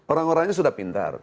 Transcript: orang orangnya sudah pintar